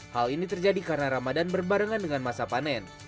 hal ini terjadi karena ramadan berbarengan dengan masa panen